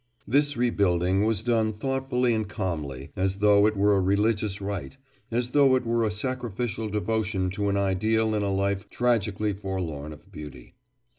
This rebuilding was done thoughtfully and calmly, as though it were a religious rite, as though it were a sacrificial devotion to an ideal in a life tragically forlorn of beauty.